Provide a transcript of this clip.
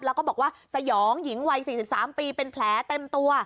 แล้วก็บอกว่าสยองหญิงวัย๔๓ปีเป็นแผลเต็มตัว